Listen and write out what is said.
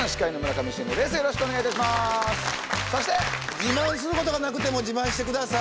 自慢することがなくても自慢してください。